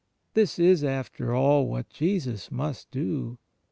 This is, after all, what Jesus must do.